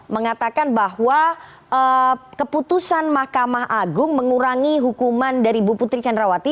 mengatakan bahwa keputusan mahkamah agung mengurangi hukuman dari bu putri candrawati